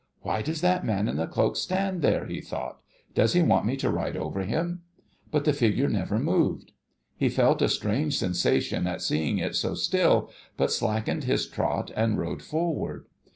' U' by does that man in the cloak stand there !' he thought. ' Does he want me to ride over him ?' But the figure never moved. He felt a strange sensation at seeing it so still, but slackened his trot and rode forward.